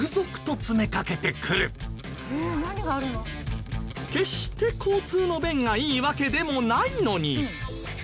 決して交通の便がいいわけでもないのに。